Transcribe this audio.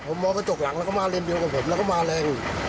ผมมองกระจกหลังแล้วก็มาเลนเดียวกับผมแล้วก็มาแรง